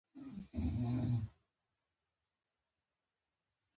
اصلي لهجې دوې دي: کندهارۍ او ننګرهارۍ